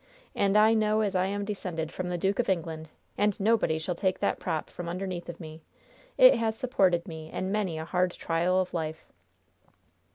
And I know as I am descended from the Duke of England, and nobody shall take that prop from underneath of me! It has supported me in many a hard trial of life!"